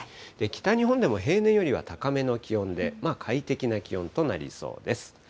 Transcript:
北日本でも平年よりは高めの気温で、快適な気温となりそうです。